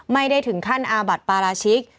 ไม่ได้ถึงขั้นอาบัติปาราชิก